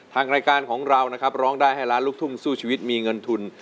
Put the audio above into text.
ทางรายการของเรานะครับร้องได้ให้ล้านลูกทุ่งสู้ชีวิตมีเงินทุน